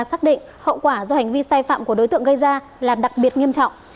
xác định hậu quả do hành vi sai phạm của đối tượng gây ra là đặc biệt nghiêm trọng